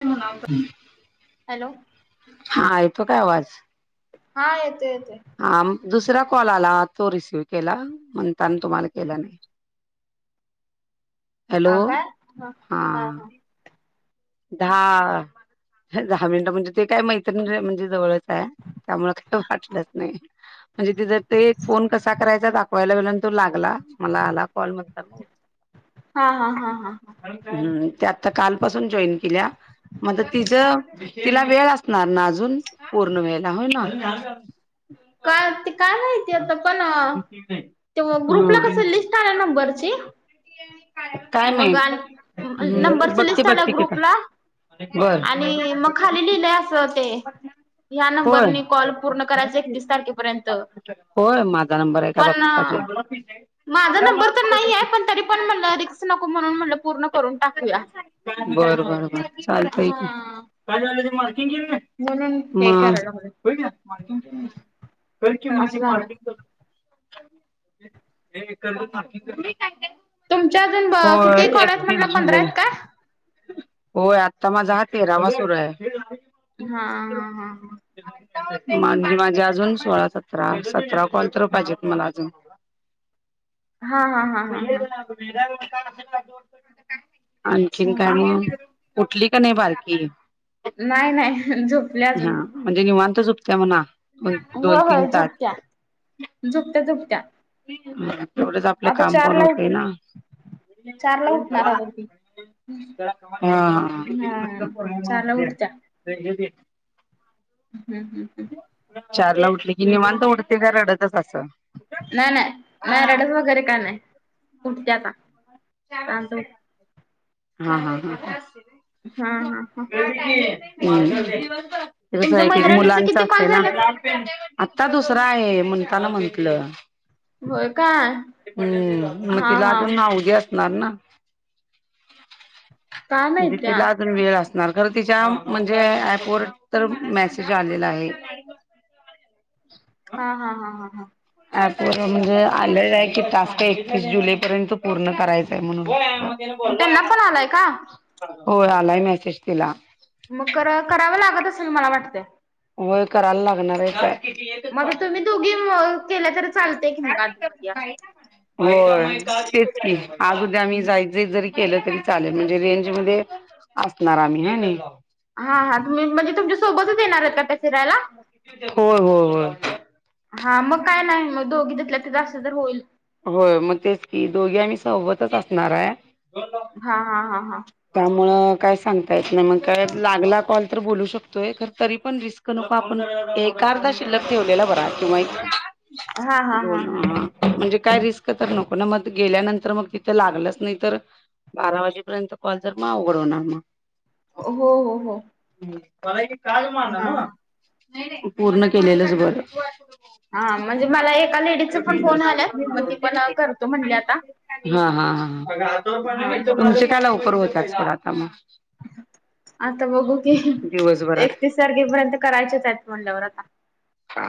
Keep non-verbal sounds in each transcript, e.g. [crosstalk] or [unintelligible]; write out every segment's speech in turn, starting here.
तो म्हणालता हॅलो हा येतो काय आवाज? हा येतोय येतेय हा दुसरा कॉल आला तो रिसीव केला म्हणताना तुम्हाला केला नाही. हॅलो, हा दहा दहा मिनिट म्हणजे ते काय मैत्रिणी आहे म्हणजे जवळच आहे त्यामुळ काही वाटलंच नाही. म्हणजे त्याच्यात ते फोन कसा करायचा दाखवायला गेला अन तो लागला मला आला कॉल म्हटलं हा हा हा हा हा हम्म ते आत्ता कालपासून जॉईन केल्या मग आता तिचं तिला वेळ असणार ना अजून पूर्ण व्हायला हो ना काय ते काय माहिती आता पण त्यो ग्रुपला कस हम्म लिस्ट आल्या नंबर जेव. काय माहित आणि हम्म नंबरच बघते लिस्ट आल्या बघते की आता ग्रुपला बरं. आणि मग खाली लिहिलंय असं ते ह्या होय. नंबरने कॉल पूर्ण करायचे एकतीस तारखेपर्यंत होय, माझा नंबर ये का पण बघाय पाहिजे. माझा नंबर तर नाहीये पण तरी पण म्हणलं रिक्स नको म्हणून म्हणलं. पूर्ण करून टाकूया बर बर बर चालतंय की, हा काय झालं ते मार्किंग केलं नाही. म्हणून हे मग करायला लागलोय मार्किंग कर. असं झालं हे एक पार्किंग तुमचे अजून किती कॉल ये. तीस जुलै होय, आत्ता माझा हा तेरावा सुरू आहे. हा हा हा हा म्हणजे माझे अजून सोळा सतरा सतरा कॉल तर पाहिजेत मला अजून हा हा हा हा हा हा. [inaudible] आणखीन काही म, उठली का नाही बारकी? नाही नाही, झोपली हा अजून म्हणजे निवांत झोपत्या म्हणा. होय दोन तीन होय, तास झोपत्या झोपत्या झोपत्या. तेवढंच आपलं काम पण होतंय ना चारला उठणार अग ती हा हा माहिती चारला उठत्या आहे. ते घेत हम्म हम्म हम्म चारला उठले की निवांत उठते का रडतच असं नाही नाही नाही रडत वगैरे काही नाही उठते आता चार शांत वाजता उठ येणार हा हा हा हम्म- हा हा हा ते कस तुमच्या आहे की मैत्रिणीचे मुलांच किती कॉल असते ना झाल्यात? आत्ता दुसरा आहे म्हणल चला म्हंटलं होय का हम्म मग तिला अजून नावगे असणार ना काय म्हणजे माहित्या तिला वेळ असणार खर तिच्या म्हणजे ऍपवर तर मेसेज आलेला आहे. हा हा हा ॲपवर म्हणजे आलेलं आहे की, टास्क एकतीस जुलै पर्यंत पूर्ण करायचंय म्हणून त्यांना पण आलाय का होय, आलाय मेसेज तिला मग करावं लागत असेल मला वाटतंय. होय करायला लागणार आहे ते मी एकच मग आता पाठीवल तुम्ही काल, दोघी म- केल्या तरी चालतंय की मग काय आधीमध्ये असं. माहित नाही आता जाई ना म्हन होय तेच की, आज उद्या आम्ही जाय जाय जरी केलं तरी चालेल, म्हणजे रेंज मध्ये असणार आम्ही हाय नाही. हा हा तुम्ही म्हणजे तुमच्या सोबतच येणार हायेत का त्या फिरायला? होय होय होय. हा मग काय नाही मग दोघी तीतल्या तिथं, असल तर होईल. होय मग तेच की, दोघे आम्ही सोबतच असणार हाय हा हा हा हा. त्यामुळ काय सांगता येत नाही. मग काय लागला कॉल, तर बोलू शकतोय खर तरी पण रिस्क नको, आपण एकार्धा शिल्लक ठेवलेला बरा किंवा हा हा हा दोन हा आ म्हणजे काय रिस्क तर नको ना, मग गेल्यानंतर मग तिथं लागलंच नाही तर बारा वाजेपर्यंत कॉल तर, मग अवघड होणार मग. हो हो हो. हा मला कधी काल मारला हा नव्ह. हा. नाही नाही ते पूर्ण केलेलंच बर. हा म्हणजे मला एका लेडीजच पण फोन आल्यात, मग ती पण करतो म्हणली आता. हा हा हा. हा हा तुमचे काय लवकर होत असतील आता मग? आता बघू की, दिवसभरात एकतीस तारखेपर्यंत करायचेच आहेत म्हंल्यावर आता ह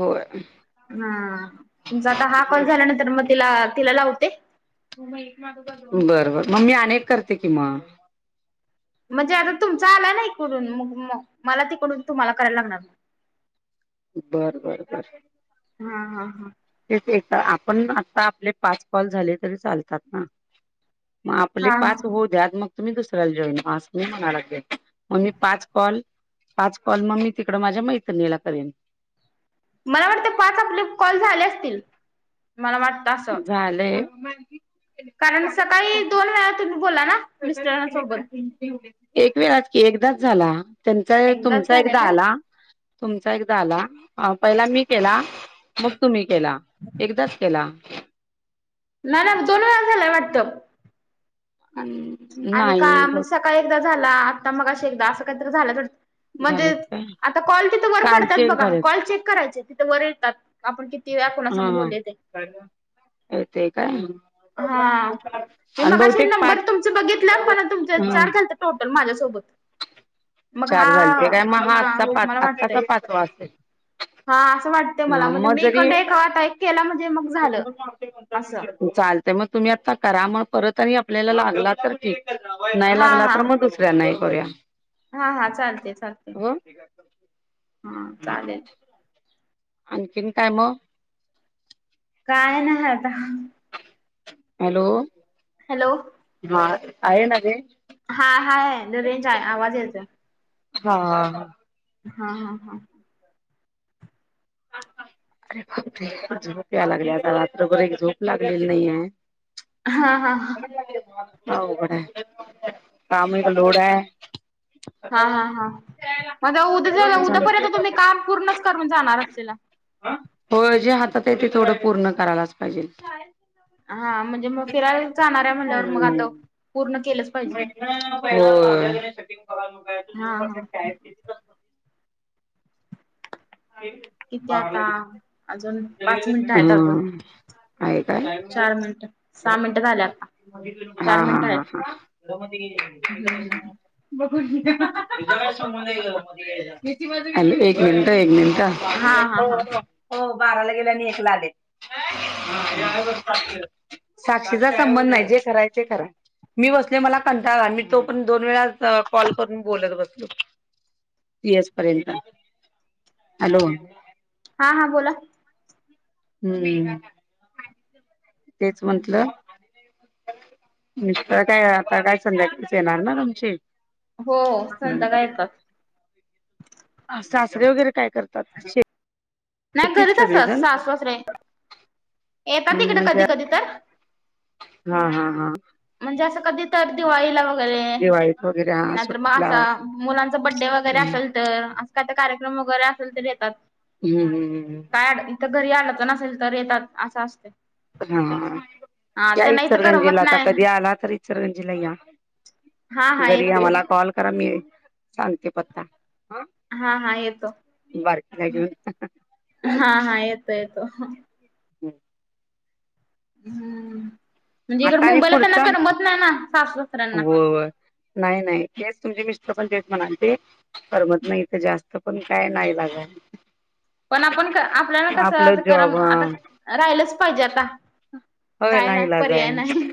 होय. हा. तुमचा आता हा कॉल झाल्यानंतर मग तिला, तिला लावते. बर बर, मग मी अनेक करते कि मग. म्हणजे आता तुमचा आलाय ना इकडून, मग म तिकडून तुम्हाला कराय लागणार. बरं बरं बरं. हा हा हा. तेचं एक आपण आता आपले पाच कॉल झाले तरी चालतात ना? म आपले हा हा पाच होऊद्या, मग तुम्ही दुसऱ्याला जॉईंट व्हा अस मी म्हनाय लागलोय, मग मी पाच कॉल पाच कॉल मग मी तिकडं माझ्या मैत्रणीला करेल. मला वाटते पाच आपले कॉल झाले असतील, मला वाटतं असं. झालयं. कारण सकाळी दोन वेळा तुम्ही बोललं ना? मिस्टरांसोबत. एक वेळा कि एकदाच झाला. त्यांचा एकदाच तुमचा झाले एकदा का? आला, स तुमचा एकदा आला पहिला मी केला मग तुम्ही केला. एकदाच केला. नाय नाय दोन वेळा झालाय वाटतं. हुं. आणि का म्हणजे सकाळी एकदा झाला, आता मग अं एकदा असं काहीत झालं. झालं. आता कॉल तिथ वर पडत्यात बघा, झालेत कॉल चेक करायचे तिथे वर येतात. आपण किती वेळा कोणासंग बोललोय ते. कळतय काय? हा मी आणि मघाशी बहुतेक पाच नंबर तुमच बघितल पण, तुमच्या हम्म चार झालंत. टोटल माझ्यासोबत मग हा चार हा मला वाटतंय. असं वाटतंय. हा असं वाटतय मला म्हणजे मी हिकंड जरी एक आता एक केला म्हणजे मग झालं असं. चालते मग तुम्ही आता करा मग परत आणि आपल्याला लागला तर ठीक. नाही हा लागला हा तर मग दुस ऱ्याना हे करूया. हा हा, चालते चालते. हो हा चालेल. आणखीन काय म? काय नाह आता. हॅलो, हॅलो, हा, आहे ना रेंज? हा हाये रेंज आहे आवाज येतो. हा हा हा, हा हा हा, अरे बापरे! झोप यायला लागली आता रात्रभर एक झोप लागलेली नाहीये. हा हा [unintelligible] लागली तुम्हाला? अवघड आहे. काम एक लोड आहे. हा हा हा, मज उद्या जर उद्यापर्यंत तुम्ही काम पूर्णच करून जाणार असतीला. होय जे हातात आहे ते थोडं पूर्ण करायलाच पाहिजे. हा म्हणजे मग फिरायला जाणाऱ्या म्हणल्यावर मग आता पूर्ण केलंच पाहिजे. हा हा होय. किती हा, आता अजून पाच मिनिटं आहेत अजून आहे काय? चार मिनिटं सहा मिनिटं झाले आता चार मिनिटं आहेत. हा.. हम्म हम्म आलो एक मिनट एक मिनिटं बाबू हा हा नेलतो हा [unintelligible] हो बाराला गेले आणि एक ला आले. साक्षीचा संबंध नाही. जे कराय ते करा मी बसले मला कंटाळा आणि मी तो पण दोन वेळा त कॉल करून बोलत बसलो पी एस पर्यंत. हॅलो, हा हा बोला. हम, तेच म्हटलं मिस्टर काय आता काय संध्याकाळीच येणार ना तुमची. हो, संध्याकाळी येतात. सासरे वगैरे काय करतात? शेत नाही घरीच अससास सासू सासरे. येतात इकडे म्हणजे कधी कधी तर हा हा हा, म्हणजे असं कधीत तर दिवाळीला वगैरे दिवाळीत वगैरे हा नाहीतर मग सुट्टीला असा मुलांचा बड्डे वगैरे असेल त [unintelligible] कार्यक्रम वगैरे असेल तर येतात. हम् हम् हम हम, काय इथं घरी आलं तर नसेल तर येतात असं असते. हा, या इचरगंजीला करमत आता नाही कधी आला तर इचरगंजीला या. हा हा घरी येतो आम्हाला येतो कॉल करा. मी सांगते पत्ता. हा हा येतो. बारकीला घेऊन हा हा येतो येतो. ह.. ह म्हणजे इकड आता आणि मुंबईला त्यांना पुढचा करमत नाही ना, सासू- सासऱ्यांना. होय नाही, नाही तेच तुमचे मिस्टर पण तेच म्हणालते. करमत नाही इथं जास्त, पण काय नाईलाज हाय. पण आपण आपल्याला कसं करम जॉब आता राहिलंच पाहिजे आता. होय काय नाही, नाईलाज आहे पर्याय नाही,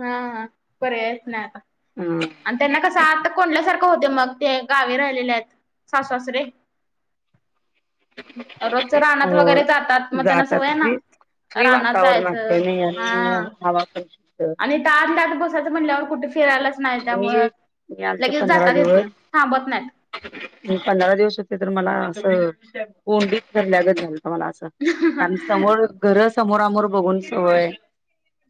हा पर्यायच नाही आता. हा.. आणि त्यांना कसं आत कोंडल्यासारखं होतंय मग ते गावी राहिलेले आहेत सासू-सासरे. [inaudible] रोजचं रानात हो वगैरे जातात मग त्यांना सवय हाय ना. फ्री रानात वातावरण जायचं असतयं नाही आणि हा हवा पण तिथं आणि इथं आतल्या आत बसायचं म्हटल्यावर कुठं फिरायला नाही मी त्यामुळं मी आलते लगेच पंधरा जाता बी येत दिवस नाही, थांबत नाहीत. पंधरा दिवस होते तर मला असं कोंडीत धरल्यागत झालंतं मला असं. कारण समोर घर समोर आमोर बघून सवय,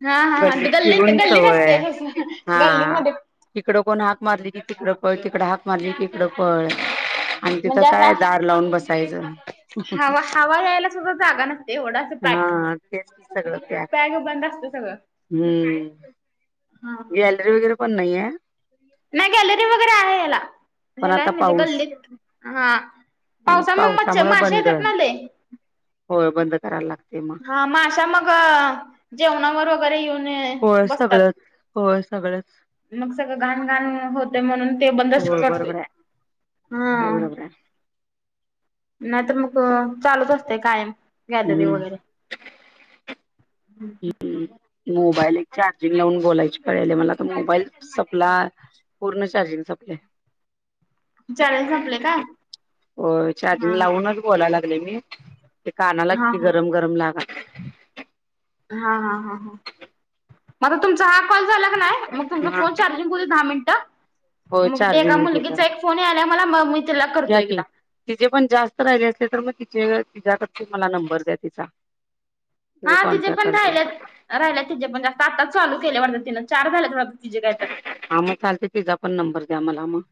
हा हा हा कधी गल्लीत फिरून गल्लीत सवय, असते तसं हां... गल्लीमध्ये तिकडं कोण हाक मारली की तिकडं पळ, तिकडं हाक मारली की हिकडं पळ आणि तिथं म्हणजे असा काय दार लावून बसायचं. हवा, हवा यायला सुद्धा जागा नसते एवढं असं पॅक. हा तेच पॅग बंद असतंय सगळं. हं... हा. हा गॅलरी वगैरे पण नाहीये.? नाही गॅलरी वगैरे आहे ह्याला, पण ह्यालाय आता म्हणजे पाऊस गल्लीत हा पावसामुळं मच्छ पावसामुळे माशा बंद येतात ना लई. होय बंद करायला लागतंय मग. हा माशा मग, जेवणावर वगैरे येऊन होय बसतात, सगळंच होय सगळंच मग सगळं घानघान होतंय म्हणुन ते बंदच होय करतोय, बरोबर आहे हा. होय बरोबर आहे नाही तर मग, चालूच असतयं कायम गॅलरी हम्म वगैरे. [unintelligible] मोबाईल एक चार्जिंग लावून बोलायची पाळी आल्या मला आता मोबाईल सपला पूर्ण चार्जिंग सपलय. चार्जिंग संपलय काय? होय, हा चार्जिंग लावूनच बोला लागलेय मी, ते कानाला हा हा किती गरम- गरम लागालय. हा. हा. हा.. म आता तुमचा हा कॉल झाला क नाय मग तुमचा हा फोन चार्जिंग हूदे दहा मिनटं होय मग ते एका चार्जिंग होते जरा मुलगीचा एक फोन यालाय मला, मग मी तिला करतो एकदा. तिचेे पण जास्त राहिले असले तर, मग तिचे तिच्याकडं चा मला नंबर द्या तिचा मी कॉन्टॅक्ट करते. राहिल्यात तिजे पण जास्त आत्ताच चालू केल्या वाटतं, तिनं चार झाल्यात वाटतं तिजे काय तर. हा मग चालतय तिजापण नंबर द्या मला मग.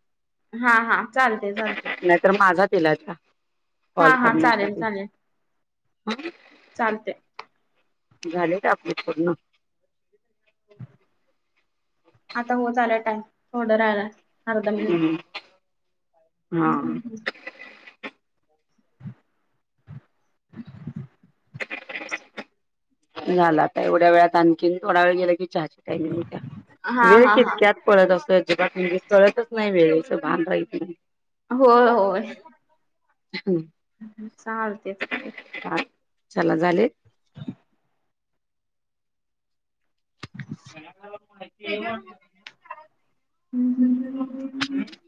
हा हा, चालतंय चालतंय. नाहीतर माझा तिला द्या हा, कॉल हा. चालेल करण्यासाठी चालेल, चालतंय. झालेत आपले पूर्ण. आता होत आलाय टाइम, थोडा राहिलाय, अर्धा मिनिट. हम्म. हा [inaudible] [inaudible] मला काय एवढ्या वेळात आणखीन थोडा वेळ गेला की चहाची टाईमिंग होतीया, हा वेळ हा हा कितक्यात पळत असतोय, अजिबात म्हणजे कळतच नाही वेळेचं भान राहीत नाही. होय होय. अ हं हम्म हम्म चालतयच. [unintelligible] चला झाले. ज्यांना कुणाला माहितेय [unintelligible] हम् हम ह.